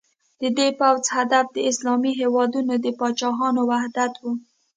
د دې پوځ هدف د اسلامي هېوادونو د پاچاهانو وحدت و.